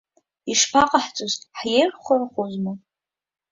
Ишԥаҟаҳҵоз, ҳиеихырхәозма?